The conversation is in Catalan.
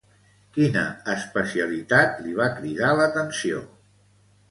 Quina especialitat li va cridar l'atenció?